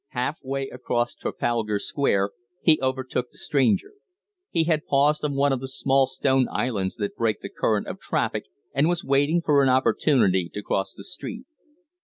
Half way across Trafalgar Square he overtook the stranger. He had paused on one of the small stone islands that break the current of traffic, and was waiting for an opportunity to cross the street.